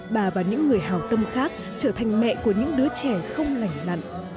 bà và những người hào tâm khác trở thành mẹ của những đứa trẻ không lảnh lặn